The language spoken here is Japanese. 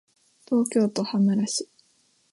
東京都羽村市